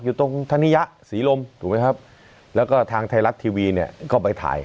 อยู่ตรงธนิยะศรีลมถูกไหมครับแล้วก็ทางไทยรัฐทีวีเนี่ยก็ไปถ่าย